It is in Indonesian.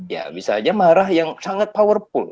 ya bisa aja marah yang sangat powerful